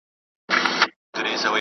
ژوند د ارمانونو یوه مجموعه ده.